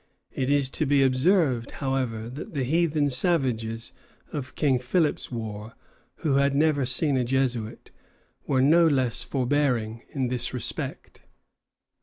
It is to be observed, however, that the heathen savages of King Philip's War, who had never seen a Jesuit, were no less forbearing in this respect.